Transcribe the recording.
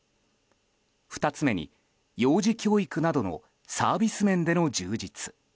２つ目に、幼児教育などのサービス面での充実。